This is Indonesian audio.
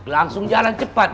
langsung jalan cepat